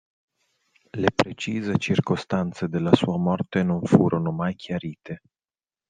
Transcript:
Le precise circostanze della sua morte non furono mai chiarite.